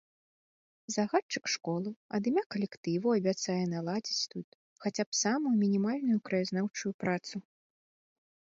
Загадчык школы ад імя калектыву абяцае наладзіць тут хаця б самую мінімальную краязнаўчую працу.